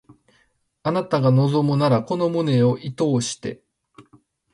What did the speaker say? あなたが望むならこの胸を射通して